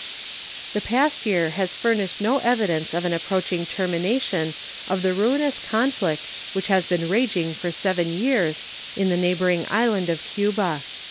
The past year has furnished no evidence of an approaching termination of the ruinous conflict which has been raging for seven years in the neighboring island of Cuba.